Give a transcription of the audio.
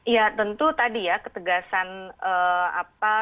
ya tentu tadi ya ketegasan apa